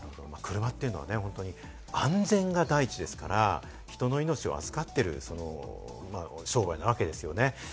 車は安全が第一ですから、人の命を預かっている商売なわけですよね。